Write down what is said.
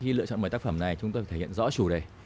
khi lựa chọn một mươi tác phẩm này chúng tôi thể hiện rõ chủ đề